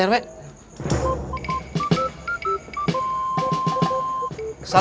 terima kasih pak ustadz rw